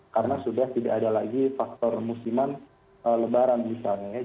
karena sudah tidak ada lagi faktor musiman lebaran misalnya